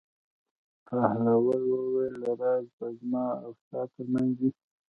بهلول وویل: راز به زما او ستا تر منځ وي.